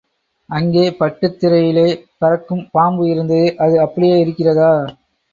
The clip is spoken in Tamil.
அங்கே பட்டுத் திரையிலே பறக்கும் பாம்பு இருந்ததே அது அப்படியே இருக்கிறதா?